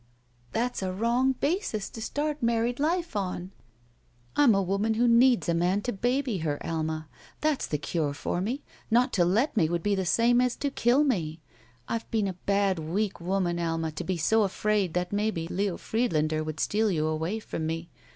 "That's a wrong basis to start married life on —" "I'm a woman who needs a man to baby her. Alma. That's the cure for me. Not to let me would be the same as to kill me. I've been a bad, weak woman. Alma, to be so afraid that maybe Leo Friedlander would steal you away from me.